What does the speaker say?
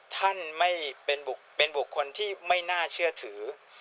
ท่านไม่เป็นบุคคลที่ไม่น่าเชื่อถือ